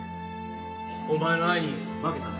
お前の愛に負けたぜ。